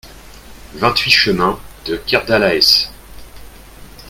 vingt-huit chemin de Kerdalaes